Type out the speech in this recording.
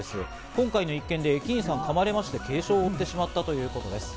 今回の一件で駅員さんが噛まれまして、軽傷を負ったということです。